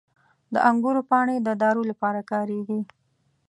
• د انګورو پاڼې د دارو لپاره کارېږي.